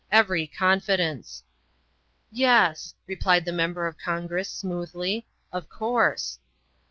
" every confidence." " Yes," replied the Member of Congress smoothly, " of course."